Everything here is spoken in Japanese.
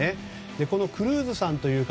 このクルーズさんという方